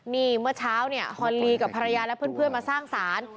นี่เมื่อเช้าเนี่ยฮอนลีกับภรรยาและเพื่อนมาสร้างสาร